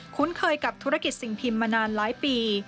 คุ้นเคยกับธุรกิจสิ่งพิมพ์มานานหลายปี